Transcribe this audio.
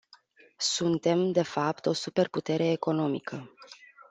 Suntem, de fapt, o superputere economică.